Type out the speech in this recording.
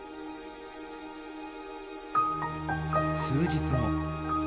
数日後。